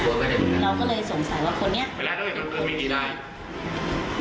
เราก็เลยสงสัยว่าคนนี้